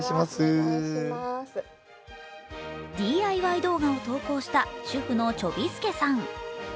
ＤＩＹ動画を投稿した主婦のちょびすけさん。